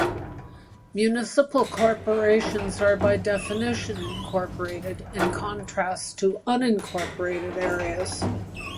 Municipal corporations are by definition incorporated, in contrast to unincorporated areas.